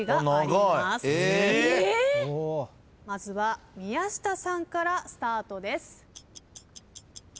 まずは宮下さんからスタートです。